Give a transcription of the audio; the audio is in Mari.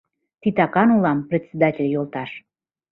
— Титакан улам, председатель йолташ!